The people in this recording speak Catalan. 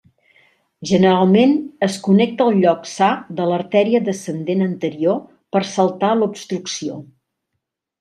Generalment es connecta al lloc sa de l'artèria descendent anterior per saltar l'obstrucció.